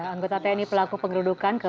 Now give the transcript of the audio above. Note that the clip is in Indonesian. anggota tni pelaku pengerudukan ke